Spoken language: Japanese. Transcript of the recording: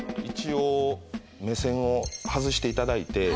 一応目線を外していただいて。